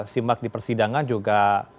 simak di persidangan juga